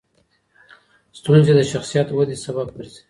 ستونزې د شخصیت ودې سبب ګرځي.